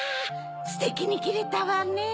ステキにきれたわね！